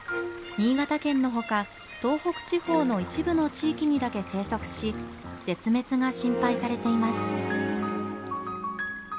新潟県のほか東北地方の一部の地域にだけ生息し絶滅が心配されています。